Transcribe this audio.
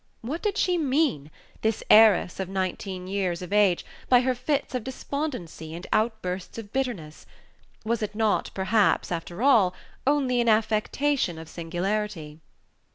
What did she mean, this heiress of nineteen years of age, by her fits of despondency and outbursts of bitterness? Was it not perhaps, after all, only an affectation of singularity?